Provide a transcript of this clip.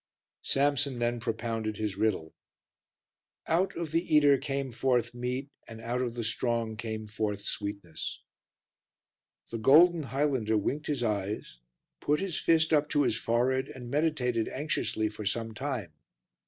Samson then propounded his riddle: "Out of the eater came forth meat, and out of the strong came forth sweetness." The golden Highlander winked his eyes, put his fist up to his forehead and meditated anxiously for some time.